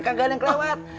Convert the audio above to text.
kagak ada yang kelewat